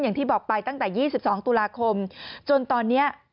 อย่างที่บอกไปตั้งแต่๒๒ตุลาคมจนตอนนี้